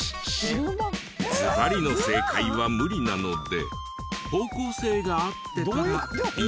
ずばりの正解は無理なので方向性が合ってたらいいですよ。